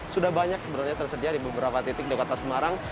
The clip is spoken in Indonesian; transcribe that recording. sudah banyak sebenarnya tersedia di beberapa titik di kota semarang